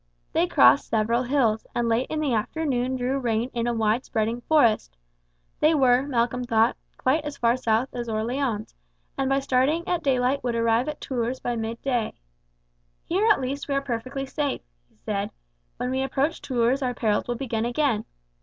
They crossed several hills, and late in the afternoon drew rein in a wide spreading forest. They were, Malcolm thought, quite as far south as Orleans, and by starting at daylight would arrive at Tours by midday. "Here at least we are perfectly safe," he said; "when we approach Tours our perils will begin again.